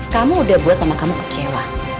kamu udah buat mama kamu kecewa